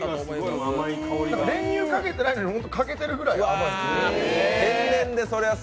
練乳かけてないのに、かけてるぐらい甘いです。